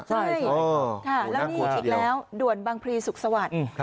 ใช่ค่ะแล้วนี่อีกแล้วด่วนบางพลีสุขสวัสดิ์